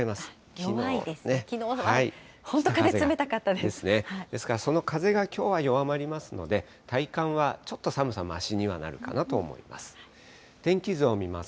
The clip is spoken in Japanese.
きのうは本当、ですからその風がきょうは弱まりますので、体感はちょっと寒さ、ましにはなるかなと思います。